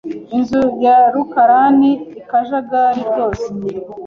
Inzu ya rukarani akajagari rwose.